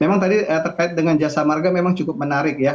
memang tadi terkait dengan jasa marga memang cukup menarik ya